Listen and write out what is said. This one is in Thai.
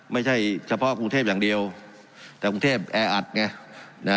ไม่ใช่เฉพาะกรุงเทพอย่างเดียวแต่กรุงเทพแออัดไงนะ